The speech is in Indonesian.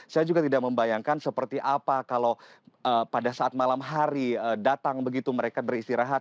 saya juga tidak membayangkan seperti apa kalau pada saat malam hari datang begitu mereka beristirahat